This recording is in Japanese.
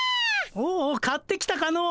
おお買ってきたかの。